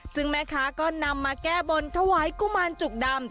ซึ่งแม่ค้าก็นำมาแก้บนถวายกุมารจุกดำ